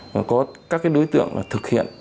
và có các đối tượng thực hiện